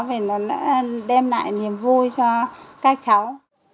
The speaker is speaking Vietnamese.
vì nó đem lại niềm vui cho các cháu